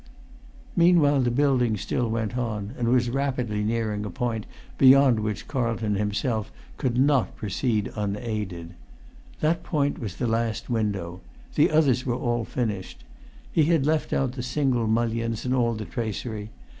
Meanwhile the building still went on, and was rapidly nearing a point beyond which Carlton himself could not proceed unaided. That point was the last window; the others were all finished. He had left out the single mullions and all the tracery.